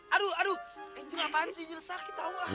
aduh aduh angel apaan sih angel sakit tawa